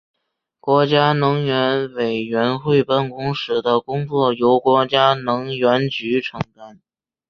国家能源委员会办公室的工作由国家能源局承担。